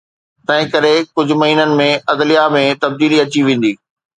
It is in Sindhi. تنهن ڪري ڪجهه مهينن ۾ عدليه ۾ تبديلي اچي ويندي.